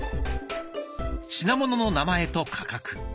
品物の名前と価格。